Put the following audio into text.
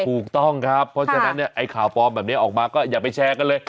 ถูกต้องครับเพราะฉะนั้นเนี่ยไอ้ข่าวปลอมแบบนี้ออกมาก็อย่าไปแชร์กันเลย